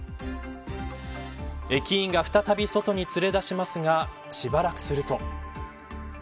駅員が再び外に連れ出しますがしばらくすると。